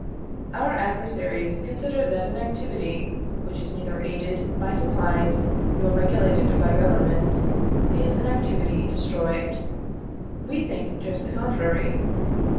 Our adversaries consider that an activity which is neither aided by supplies, nor regulated by government, is an activity destroyed. We think just the contrary.